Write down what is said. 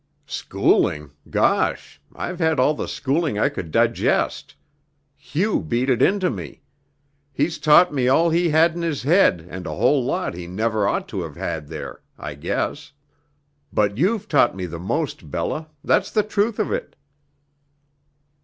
"Schooling! Gosh! I've had all the schooling I could digest. Hugh beat it into me. He's taught me all he had in his head and a whole lot he never ought to have had there, I guess. But you've taught me most, Bella that's the truth of it."